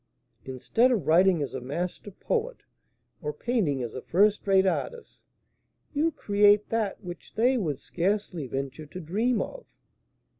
Instead of writing as a master poet, or painting as a first rate artist, you create that which they would scarcely venture to dream of."